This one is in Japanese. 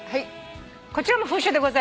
こちらも封書でございます。